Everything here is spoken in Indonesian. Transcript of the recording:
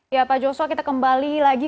ya pak joshua kita kembali lagi